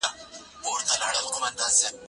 ته ولي پلان جوړوې